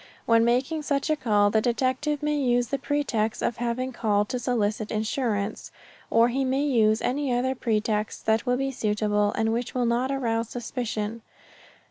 When making such a call the detective may use the pretext of having called to solicit insurance, or he may use any other pretext that will be suitable and which will not arouse suspicion.